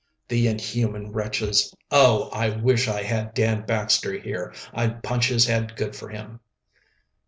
"The inhuman wretches! Oh, I wish I had Dan Baxter here I'd punch his head good for him."